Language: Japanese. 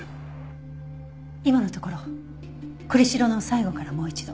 今のところ栗城の最後からもう一度。